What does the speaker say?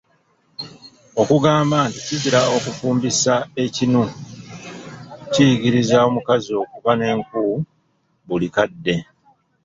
Okugamba nti kizira okufumbisa ekinu, kiyigiriza omukazi okuba n'enku buli kadde.